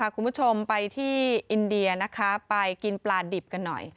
คุณผู้ชมไปที่อินเดียนะคะไปกินปลาดิบกันหน่อย